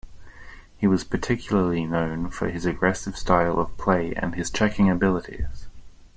He was particularly known for his aggressive style of play and his checking abilities.